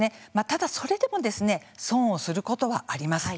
ただ、それでも損をすることはあります。